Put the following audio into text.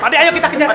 pane ayo kita kejar